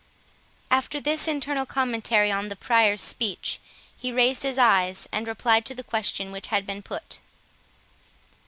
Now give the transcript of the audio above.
After this internal commentary on the Prior's speech, he raised his eyes, and replied to the question which had been put.